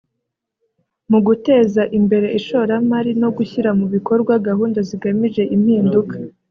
mu guteza imbere ishoramari no gushyira mu bikorwa gahunda zigamije impinduka